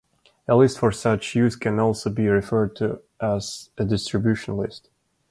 A list for such use can also be referred to as a distribution list.